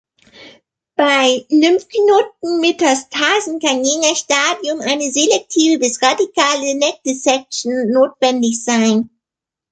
Bei Lymphknotenmetastasen kann je nach Stadium eine selektive bis radikale Neck-Dissection notwendig sein.